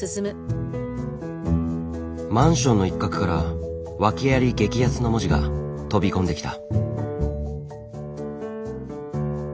マンションの一角から「訳あり激安！！」の文字が飛び込んできた。